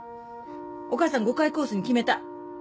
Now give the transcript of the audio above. お母さん５回コースに決めた！